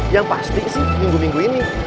yang pasti sih minggu minggu ini